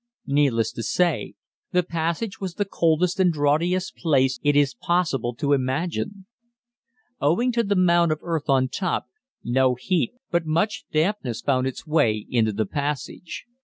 Needless to say, the passage was the coldest and draughtiest place it is possible to imagine. Owing to the mound of earth on top, no heat but much dampness found its way into the passage.